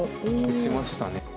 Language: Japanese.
打ちましたね。